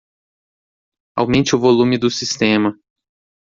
Aumente o volume do sistema.